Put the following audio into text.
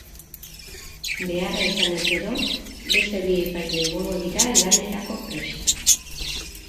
Beharra izanez gero, beste bi epaile egongo dira lanerako prest.